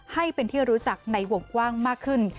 ให้เป็นที่รู้จักในวงกว้างมากขึ้น